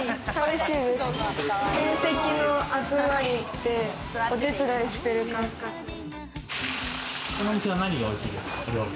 親戚の集まりに行ってお手伝いしてる感覚です。